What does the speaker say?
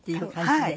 はい。